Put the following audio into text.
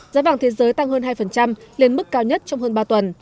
giá vàng thế giới tăng hơn hai lên mức cao nhất trong hơn ba tuần